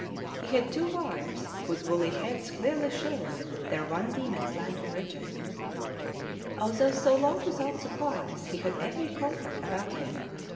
He had two wives, whose woolly heads clearly showed their Van Diemen's Land origin. Although so long without supplies, he had every comfort about him.